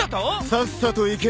さっさと行け！